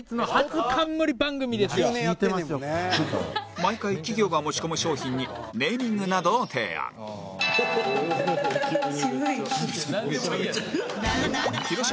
毎回企業が持ち込む商品にネーミングなどを提案なんでもいいの？